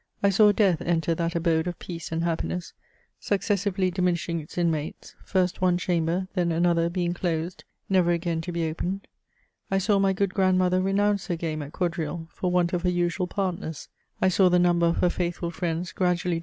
I saw death enter that abode of peace and happiness, successively diminishing its inmates ; first one chamber, then another being closed^ never again to be opened. I saw my good grandmother renounce her game at quadrille, for want of her usual partners ; I saw the number of her faithfiil friends gradually diminish, until CHATEAUBRIAND.